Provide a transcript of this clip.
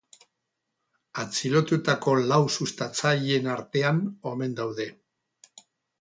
Atxilotuetako lau sustatzaileen artean omen daude.